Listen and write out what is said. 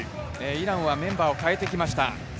イランはメンバーを代えてきました。